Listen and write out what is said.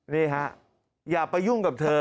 นี่ฮะอย่าไปยุ่งกับเธอ